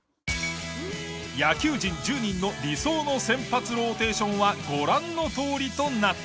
野球人１０人の理想の先発ローテーションはご覧のとおりとなった。